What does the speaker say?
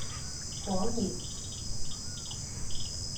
果然！